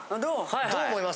はいはい。